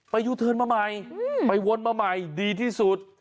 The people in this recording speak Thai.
ยูเทิร์นมาใหม่ไปวนมาใหม่ดีที่สุด